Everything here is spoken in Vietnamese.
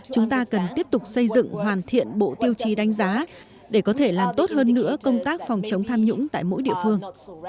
chúng ta cần tiếp tục xây dựng hoàn thiện bộ tiêu chí đánh giá để có thể làm tốt hơn nữa công tác phòng chống tham nhũng tại mỗi địa phương